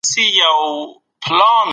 په مینه کي ریښتیا ویل کله ناکله ګران وي.